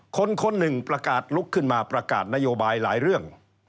คนหนึ่งประกาศลุกขึ้นมาประกาศนโยบายหลายเรื่อง